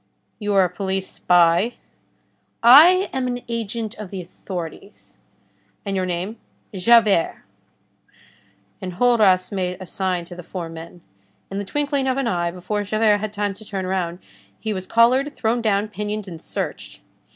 "You are a police spy?" "I am an agent of the authorities." "And your name?" "Javert." Enjolras made a sign to the four men. In the twinkling of an eye, before Javert had time to turn round, he was collared, thrown down, pinioned and searched.